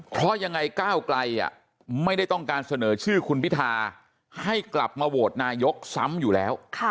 เพราะยังไงก้าวไกลไม่ได้ต้องการเสนอชื่อคุณพิธาให้กลับมาโหวตนายกซ้ำอยู่แล้ว